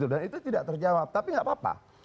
dan itu tidak terjawab tapi tidak apa apa